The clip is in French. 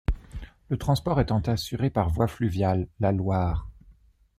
Le transport étant assuré par voie fluviale, la Loire.